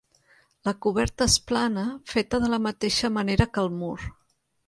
La coberta és plana, feta de la mateixa manera que el mur.